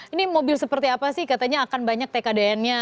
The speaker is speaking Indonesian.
ini mobil seperti apa sih katanya akan banyak tkdn nya